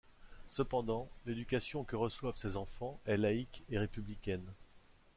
Cependant, l'éducation que reçoivent ces enfants est laïque et républicaine.